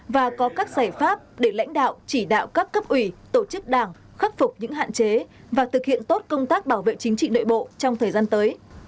và có các giải pháp để lãnh đạo chỉ đạo các cấp ủy tổ chức đảng khắc phục những hạn chế và thực hiện tốt công tác bảo vệ chính trị nội bộ trong thời gian tới